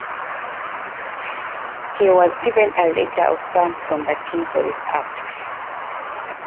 He was given a letter of thanks from the King for this act.